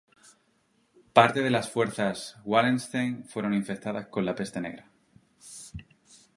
Parte de las fuerzas de Wallenstein fueron infectadas con la Peste negra.